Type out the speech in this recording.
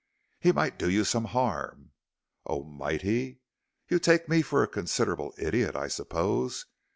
"He might do you some harm." "Oh! might he? You take me for a considerable idiot, I suppose.